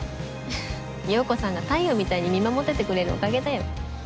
ははっ洋子さんが太陽みたいに見守っててくれるおかげだよ。